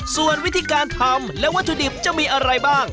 ส่วนวิธีการทำและวัตถุดิบจะมีอะไรบ้าง